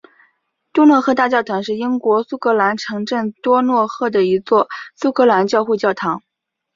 多诺赫大教堂是英国苏格兰城镇多诺赫的一座苏格兰教会教堂。